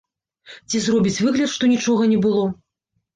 Ці зробіць выгляд, што нічога не было?